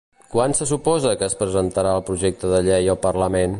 Quan se suposa que es presentarà el projecte de llei al parlament?